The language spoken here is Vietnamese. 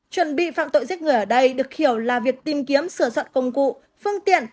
chuẩn bị phạm tội giết người ở đây được hiểu là việc tìm kiếm sửa soạn công cụ phương tiện